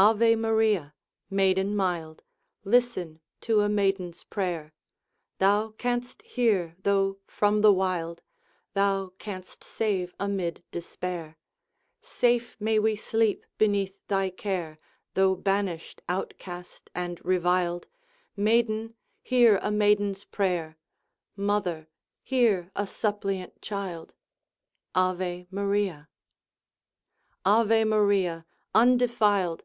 Ave. Maria! maiden mild! Listen to a maiden's prayer! Thou canst hear though from the wild, Thou canst save amid despair. Safe may we sleep beneath thy care, Though banished, outcast, and reviled Maiden! hear a maiden's prayer; Mother, hear a suppliant child! Ave Maria! Ave Maria! undefiled!